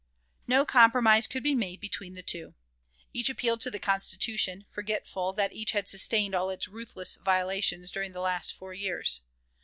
No compromise could be made between the two. Each appealed to the Constitution, forgetful that each had sustained all its ruthless violations during the last four years.